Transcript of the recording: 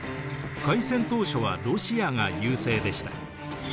開戦当初はロシアが優勢でした。